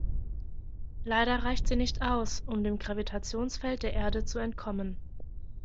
Leider reicht sie nicht aus, um dem Gravitationsfeld der Erde zu entkommen.